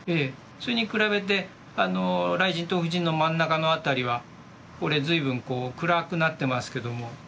それに比べて雷神と風神の真ん中の辺りは随分こう暗くなってますけども。